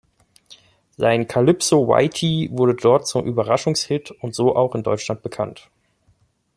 Sein Calypso Whitey wurde dort zum Überraschungs-Hit und so auch in Deutschland bekannt.